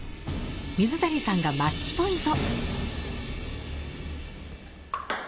水谷さんがマッチポイント！